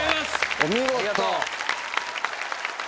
お見事！